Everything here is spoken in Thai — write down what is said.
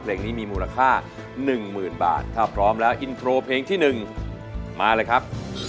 เพลงนี้มีมูลค่า๑๐๐๐บาทถ้าพร้อมแล้วอินโทรเพลงที่๑มาเลยครับ